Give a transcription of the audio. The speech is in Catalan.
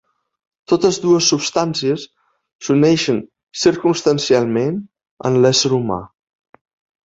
Totes dues substàncies s'uneixen circumstancialment en l'ésser humà.